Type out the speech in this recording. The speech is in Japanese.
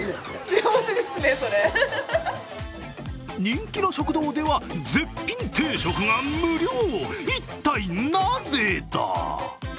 人気の食堂では絶品定食が無料一体なぜだ？